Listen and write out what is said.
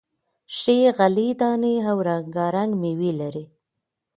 ښې غلې دانې او رنگا رنگ میوې لري،